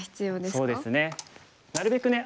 そうですねなるべくね